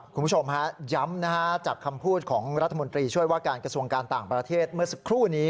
คุณผู้ชมฮะย้ำนะฮะจากคำพูดของรัฐมนตรีช่วยว่าการกระทรวงการต่างประเทศเมื่อสักครู่นี้